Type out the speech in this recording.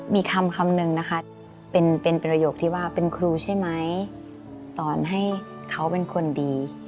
มีคำคำนึงนะคะเป็นประโยคที่ว่าเป็นครูใช่ไหมสอนให้เขาเป็นคนดี